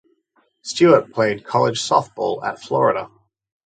Stewart played college softball at Florida.